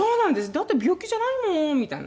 「だって病気じゃないもん」みたいな。